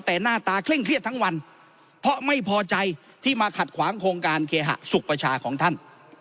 แต่หน้าตาเคร่งเครียดทั้งวันเพราะไม่พอใจที่มาขัดขวางโครงการเคหะสุขประชาของท่าน